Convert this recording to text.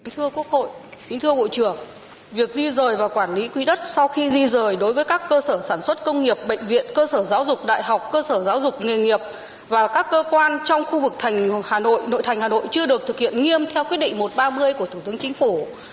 thưa quốc hội thưa bộ trưởng việc di rời và quản lý quỹ đất sau khi di rời đối với các cơ sở sản xuất công nghiệp bệnh viện cơ sở giáo dục đại học cơ sở giáo dục nghề nghiệp và các cơ quan trong khu vực thành hà nội nội thành hà nội chưa được thực hiện nghiêm theo quyết định một trăm ba mươi của thủ tướng chính phủ